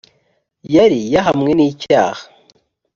yari yahamwe nicyaha.